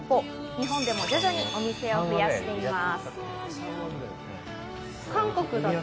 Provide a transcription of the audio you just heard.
日本でも徐々にお店を増やしています。